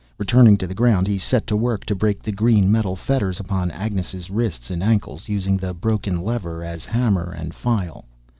Returning to the ground, he set to work to break the green metal fetters upon Agnes' wrists and ankles, using the broken lever as hammer and file.